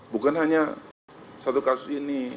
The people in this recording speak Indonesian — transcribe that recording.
bukan hanya satu kasus ini